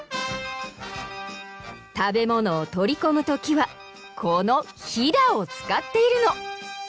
食べ物をとりこむときはこのヒダをつかっているの！